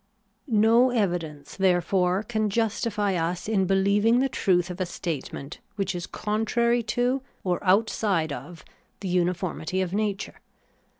No evidence, therefore, can justify us in beUeving the truth of a statement which is contrary to, or outside of, the uniformity of nature.